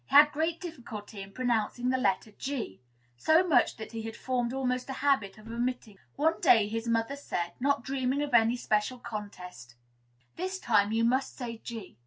He had great difficulty in pronouncing the letter G, so much that he had formed almost a habit of omitting it. One day his mother said, not dreaming of any special contest, "This time you must say G."